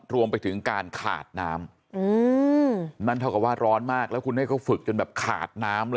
รวมไปถึงการขาดน้ำนั่นเท่ากับว่าร้อนมากแล้วคุณให้เขาฝึกจนแบบขาดน้ำเลย